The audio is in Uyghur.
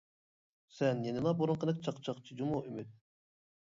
-سەن يەنىلا بۇرۇنقىدەك چاقچاقچى جۇمۇ ئۈمىد.